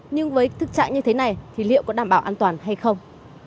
nhưng với thực trạng như thế này thì liệu có đảm bảo an toàn hay không